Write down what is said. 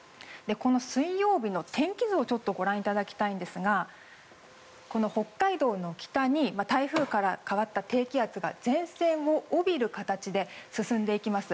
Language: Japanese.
水曜日の天気図をご覧いただきたいんですが北海道の北に台風から変わった低気圧が前線を帯びる形で進んでいきます。